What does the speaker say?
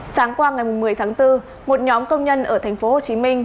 sáng qua ngày mùng một mươi tháng bốn một nhóm công nhân ở thành phố hồ chí minh